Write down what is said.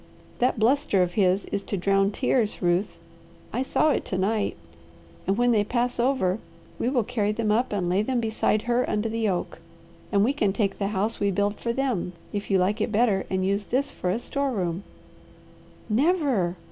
That bluster of his is to drown tears, Ruth; I saw it to night. And when they pass over we will carry them up and lay them beside her under the oak, and we can take the house we build for them, if you like it better, and use this for a store room." "Never!"